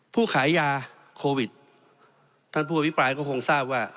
ขายยาโควิดท่านผู้อภิปรายก็คงทราบว่า